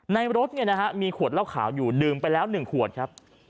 ในรถมีขวดเหล้าขาวอยู่ดื่มไปแล้ว๑ขวดครับ